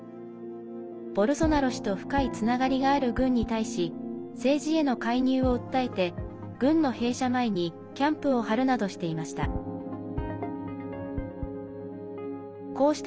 ボルソナロ氏と深いつながりがある軍に対し政治への介入を訴えて軍の兵舎前にキャンプを張るなどしていました。